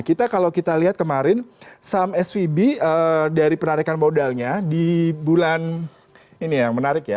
kita kalau kita lihat kemarin saham svb dari penarikan modalnya di bulan ini yang menarik ya